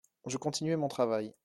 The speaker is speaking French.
Je continuai mon travail.